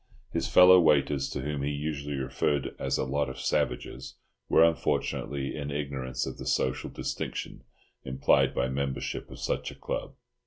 His fellow waiters, to whom he usually referred as "a lot of savages," were unfortunately in ignorance of the social distinction implied by membership of such a club.